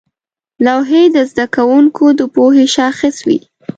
لوحې د زده کوونکو د پوهې شاخص وې.